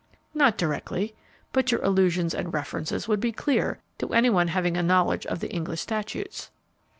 "Not directly; but your allusions and references would be clear to any one having a knowledge of the English statutes."